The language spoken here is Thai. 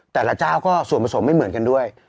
แต่ละเจ้าก็ส่วนผสมไม่เหมือนกันด้วย